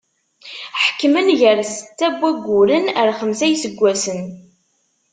Ḥekmen gar setta n wagguren ar xemsa n yiseggasen.